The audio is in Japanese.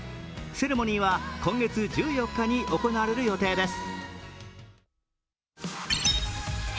セレモニーは今月１４日に行われる予定です。